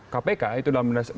kpk itu dalam